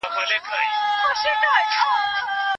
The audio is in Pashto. فقهاء د ښځو د تبرع په اړه څه نظر لري؟